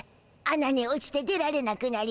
穴に落ちて出られなくなりましゅた。